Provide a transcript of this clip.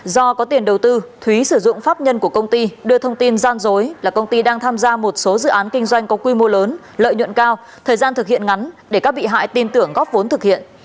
do có tiền đầu tư thúy sử dụng pháp nhân của công ty đưa thông tin gian dối là công ty đang tham gia một số dự án kinh doanh có quy mô lớn lợi nhuận cao thời gian thực hiện ngắn để các bị hại tin tưởng góp vốn thực hiện